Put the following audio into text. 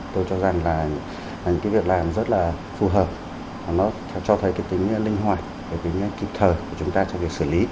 tôi cho rằng là một việc làm rất là phù hợp